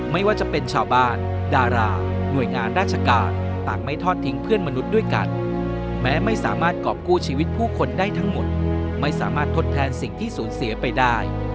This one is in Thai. ไม่ว่าจะเป็นชาวบ้านดาราหน่วยงานราชการต่างไม่ทอดทิ้งเพื่อนมนุษย์ด้วยกันแม้ไม่สามารถกรอบกู้ชีวิตผู้คนได้ทั้งหมดไม่สามารถทดแทนสิ่งที่สูญเสียไปได้